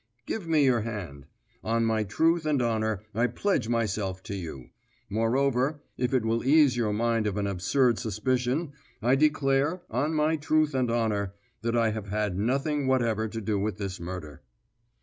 "Give me your hand. On my truth and honour I pledge myself to you. Moreover, if it will ease your mind of an absurd suspicion, I declare, on my truth and honour, that I have had nothing whatever to do with this murder."